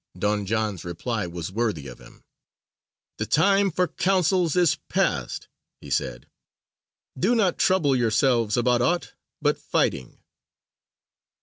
Don John's reply was worthy of him: "The time for councils is past," he said; "do not trouble yourselves about aught but fighting."